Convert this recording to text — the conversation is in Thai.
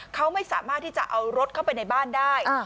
เขาไม่สามารถที่จะเอารถเข้าไปในบ้านได้